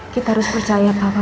kita harus percaya papa